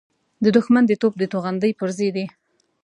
د دښمن د توپ د توغندۍ پرزې دي.